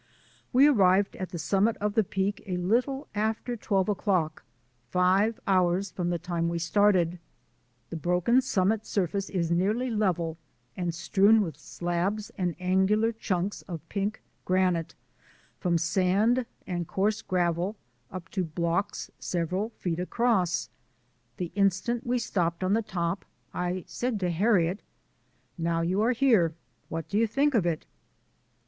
We arrived at the summit of the Peak a little after twelve o'clock, five hours from the time we started. The broken summit surface is nearly level, and strewn with slabs and angular chunks of pink granite, from sand and coarse gravel up to blocks several feet across. The instant we stepped on the top I said to Harriet: " Now you are here, what do you think of it